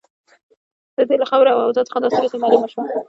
د دې له خبرو او اوضاع څخه داسې راته معلومه شوه.